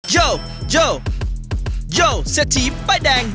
โยวโยวโยวเสียทีมป้ายแดง